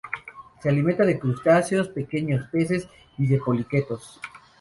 Se alimenta de crustáceos, pequeños peces y de poliquetos.